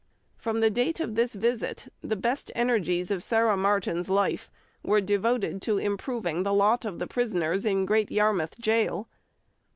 From the date of this visit, the best energies of Sarah Martin's life were devoted to improving the lot of the prisoners in Great Yarmouth Gaol.